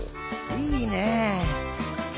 いいねえ。